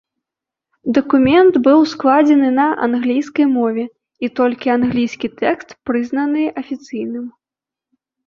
Дакумент быў складзены на англійскай мове, і толькі англійскі тэкст прызнаны афіцыйным.